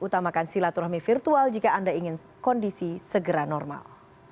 utamakan silaturahmi virtual jika anda ingin kondisi segera normal